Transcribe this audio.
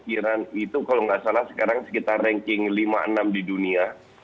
iran itu kalau nggak salah sekarang sekitar ranking lima enam di dunia